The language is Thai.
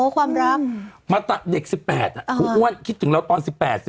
ความรักว่าเด็ก๑๘คิดถึงเราตอน๑๘สิ